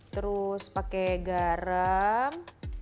terus pakai garam